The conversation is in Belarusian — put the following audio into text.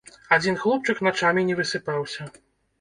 Адзін хлопчык начамі не высыпаўся.